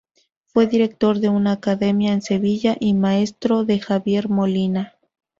Fue director de una academia en Sevilla y maestro de Javier Molina.